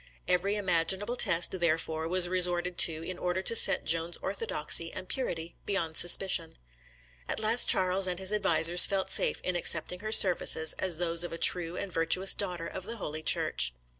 Every imaginable test, therefore, was resorted to in order to set Joan's orthodoxy and purity beyond suspicion. At last Charles and his advisers felt safe in accepting her services as those of a true and virtuous daughter of the Holy Church.